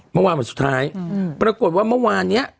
เมื่อวานวันสุดท้ายปรากฏว่าเมื่อวานเนี้ย